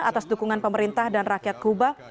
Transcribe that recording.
atas dukungan pemerintah dan rakyat kuba